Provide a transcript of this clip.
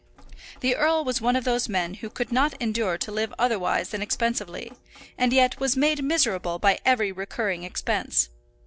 The earl was one of those men who could not endure to live otherwise than expensively, and yet was made miserable by every recurring expense.